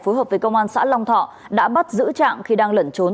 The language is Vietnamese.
phối hợp với công an xã long thọ đã bắt giữ trạng khi đang lẩn trốn